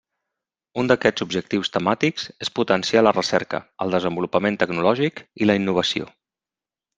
Un d'aquests objectius temàtics és potenciar la recerca, el desenvolupament tecnològic i la innovació.